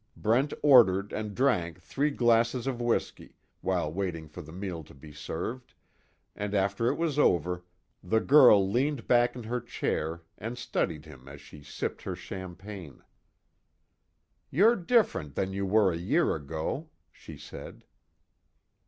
Brent ordered and drank three glasses of whiskey, while waiting for the meal to be served, and after it was over, the girl leaned back in her chair and studied him as she sipped her champagne. "You're different than you were a year ago," she said.